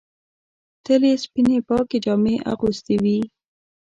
تل یې سپینې پاکې جامې اغوستې وې.